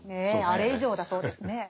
あれ以上だそうですね。